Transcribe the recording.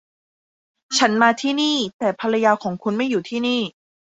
ฉันมาที่นี่ แต่ภรรยาของคุณไม่อยู่ที่นี่